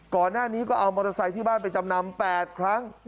ก่อนหน้านี้ก็เอามอเตอร์ไซค์ที่บ้านไปจำนำ๘ครั้ง